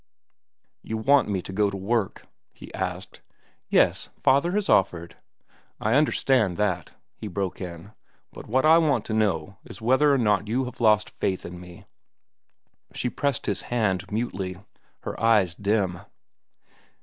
"You want me to go to work?" he asked. "Yes. Father has offered—" "I understand all that," he broke in; "but what I want to know is whether or not you have lost faith in me?" She pressed his hand mutely, her eyes dim.